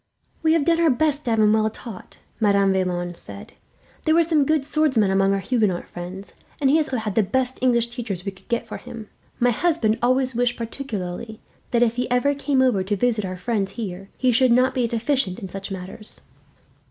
"We have done our best to have him well taught," Madame Vaillant said. "There were some good swordsmen among our Huguenot friends, and he has also had the best English teachers we could get for him. My husband always wished, particularly, that if he ever came over to visit our friends here, he should not be deficient in such matters."